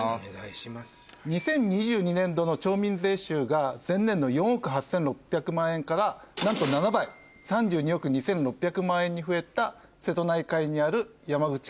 ２０２２年度の町民税収が前年度の４億８６００万円からなんと７倍３２億２６００万円に増えた瀬戸内海にある。